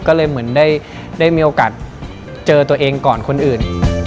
ก็เลยเหมือนได้มีโอกาสเจอตัวเองก่อนคนอื่น